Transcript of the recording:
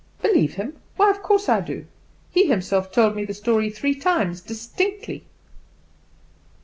"Believe him? why of course I do. He himself told me the story three times distinctly."